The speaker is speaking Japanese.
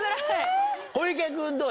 小池君どう？